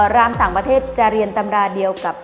รามต่างประเทศจะเรียนตำราเดียวกับ